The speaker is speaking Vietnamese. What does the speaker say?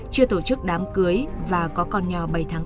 chưa tổ chức đám cưới và có con nhỏ